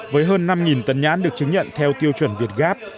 với hơn năm tấn nhãn được chứng nhận theo tiêu chuẩn việt gáp